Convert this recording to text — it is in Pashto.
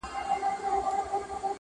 سپين ږيري سپيني خبري کوي.